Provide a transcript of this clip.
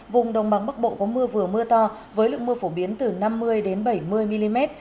vùng đồng bằng bắc bộ có mưa vừa mưa to với lượng mưa phổ biến từ năm mươi bảy mươi mm